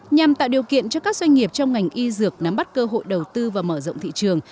nhằm tạo điều kiện cho các doanh nghiệp trong ngành y dược nắm bắt cơ hội đầu tư và mở rộng thị trường